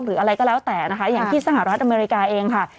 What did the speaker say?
หรืออะไรก็แล้วแต่นะคะอย่างที่สหรัฐอเมริกาเองค่ะ